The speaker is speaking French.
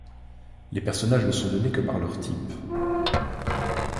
Les personnages ne sont donnés que par leur type.